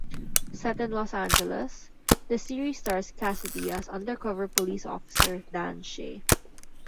Set in Los Angeles, the series stars Cassidy as undercover police officer Dan Shay.